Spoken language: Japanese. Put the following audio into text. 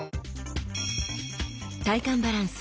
体幹バランス！